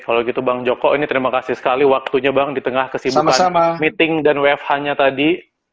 kalau gitu bang joko ini terima kasih sekali waktunya bang di tengah kesibukan meeting dan web hanya tadi